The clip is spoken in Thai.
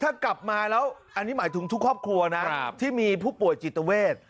ถ้ากลับมาแล้วอันนี้หมายถึงทุกครอบครัวนะที่มีผู้ป่วยจิตเวท